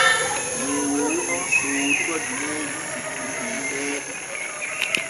Mii woowuno soodugo gineeji cippitinteeɗi.